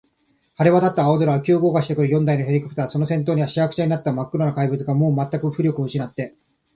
晴れわたった青空を、急降下してくる四台のヘリコプター、その先頭には、しわくちゃになったまっ黒な怪物が、もうまったく浮力をうしなって、